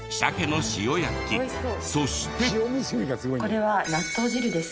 これは納豆汁です。